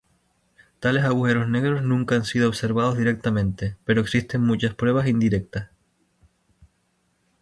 Tales agujeros negros nunca han sido observados directamente, pero existen muchas pruebas indirectas.